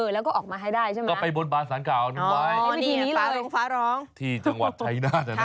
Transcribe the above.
แล้วก็ออกมาให้ได้ใช่ไหม